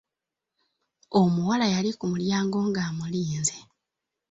Omuwala yali kumulyango ng'amulinze.